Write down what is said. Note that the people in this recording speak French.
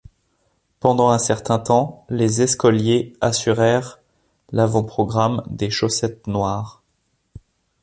Pendant un certain temps, les Escoliers assurèrent l'avant-programme des Chaussettes Noires.